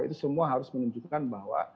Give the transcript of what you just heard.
itu semua harus menunjukkan bahwa